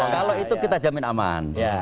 kalau itu kita jamin aman